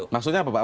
maksudnya apa pak